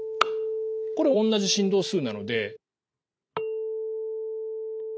これ同じ振動数なので。